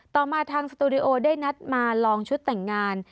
ต่อมาทางสตูดิโอได้นัดมาลองชุดแต่งงาน